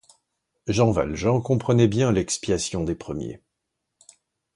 Jean Valjean comprenait bien l'expiation des premiers.